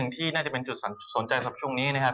ที่น่าจะเป็นจุดสนใจตรงนี้นะครับ